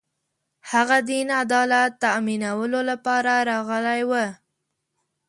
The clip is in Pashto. هغه دین عدالت تأمینولو لپاره راغلی و